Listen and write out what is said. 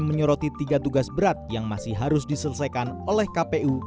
menyoroti tiga tugas berat yang masih harus diselesaikan oleh kpu